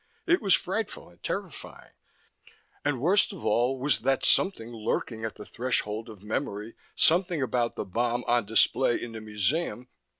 It was frightful and terrifying, and worst of all was that something lurking at the threshold of memory, something about that bomb on display in the museum....